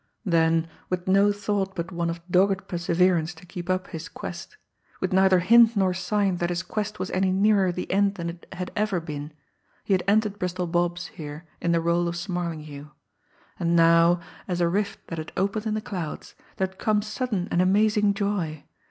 Then, with no thought but one of dogged perseverance to keep up his quest, with neither hint nor sign that his quest was any nearer the end than it had ever been, he had entered Bristol Bob's, here, in the role of Smarlinghue; and now, as a rift that had opened in the clouds, there had come sudden and amazing joy.